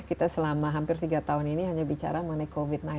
kita selama hampir tiga tahun ini hanya bicara mengenai covid sembilan belas